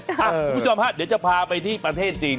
คุณผู้ชมฮะเดี๋ยวจะพาไปที่ประเทศจีน